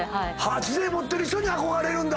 知性持ってる人に憧れるんだ！